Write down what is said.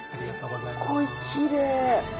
すっごいきれい！